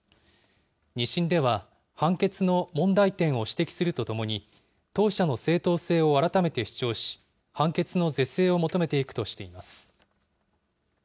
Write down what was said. ２審では、判決の問題点を指摘するとともに、当社の正当性を改めて主張し、判決の是正を求めていくとしています。